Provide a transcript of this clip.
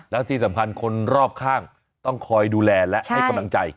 แล้วที่สำคัญคนรอบข้างต้องคอยดูแลและให้กำลังใจ